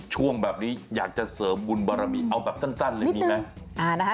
ช่วงแบบนี้อยากจะเสริมบุญบารมีเอาแบบสั้นเลยมีไหม